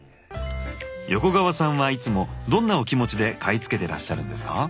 横川さんはいつもどんなお気持ちで買い付けてらっしゃるんですか？